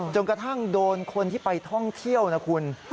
จนกระทั่งโดนคนที่ไปท่องเที่ยวนะคุณ